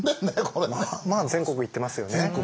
まあ全国行ってますよね。